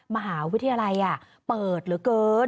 มหาวิทยาลัยเปิดเหลือเกิน